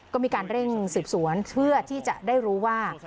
ก็มีการเร่งสืบสวนเพื่อที่จะได้รู้ว่า